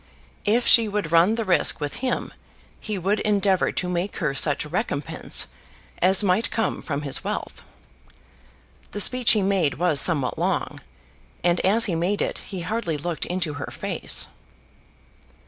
If she would run the risk with him he would endeavour to make her such recompense as might come from his wealth. The speech he made was somewhat long, and as he made it he hardly looked into her face.